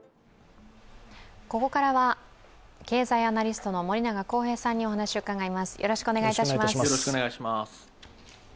ここからは経済アナリストの森永康平さんにお話を伺います。